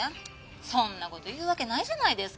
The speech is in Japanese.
そんな事言うわけないじゃないですか。